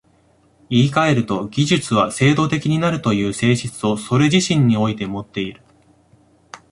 言い換えると、技術は制度的になるという性質をそれ自身においてもっている。